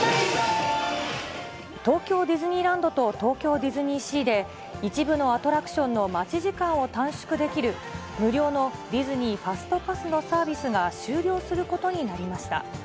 東京ディズニーランドと東京ディズニーシーで、一部のアトラクションの待ち時間を短縮できる、無料のディズニー・ファストパスのサービスが終了することになりました。